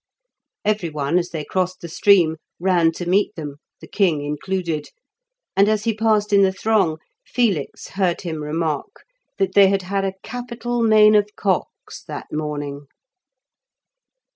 Everyone, as they crossed the stream, ran to meet them, the king included, and as he passed in the throng, Felix heard him remark that they had had a capital main of cocks that morning.